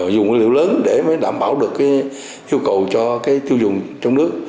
dùng nguyên liệu lớn để mới đảm bảo được cái nhu cầu cho cái tiêu dùng trong nước